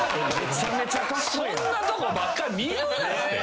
そんなとこばっかり見るなって！